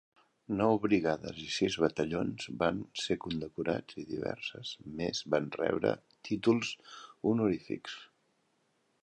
Nou brigades i sis batallons van ser condecorats, i diverses més van rebre títols honorífics.